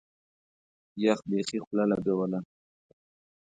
يخ بيخي خوله لګوله.